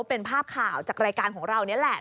เป็นภาพข่าวจากรายการของเรานี่แหละ